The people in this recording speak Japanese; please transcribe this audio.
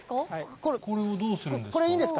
これをどうするんですか？